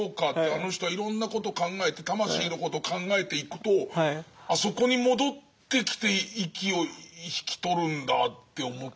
あの人はいろんなこと考えて魂のこと考えていくとあそこに戻ってきて息を引き取るんだって思ったり。